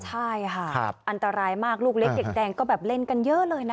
ใช่ค่ะอันตรายมากลูกเล็กเด็กแดงก็แบบเล่นกันเยอะเลยนะ